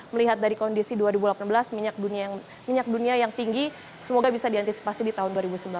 melihat dari kondisi dua ribu delapan belas minyak dunia yang tinggi semoga bisa diantisipasi di tahun dua ribu sembilan belas